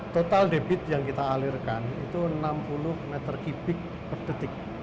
total debit yang kita alirkan itu enam puluh m tiga per detik